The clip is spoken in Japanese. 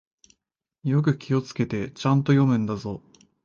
よく気をつけて、ちゃんと読むんだぞ。